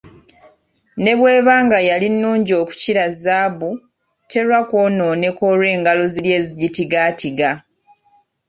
Ne bw’eba nga yali nnungi okukira zzaabu terwa kw'onooneka olw'engalo ziri ezigitigaatiga.